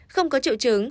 không có triệu chứng